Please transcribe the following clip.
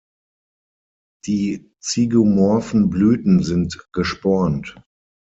Die zygomorphen Blüten sind gespornt.